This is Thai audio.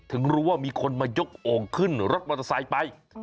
ถึงรู้ว่ามีคนมายกโอ่งขึ้นรถมอเตอร์ไซค์ไป